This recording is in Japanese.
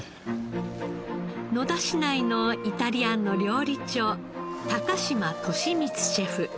野田市内のイタリアンの料理長高島敏光シェフ。